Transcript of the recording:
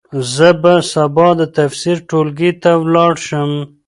زه به سبا د تفسیر ټولګي ته ولاړ شم.